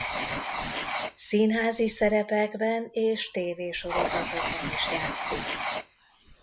Színházi szerepekben és tévésorozatokban is játszik.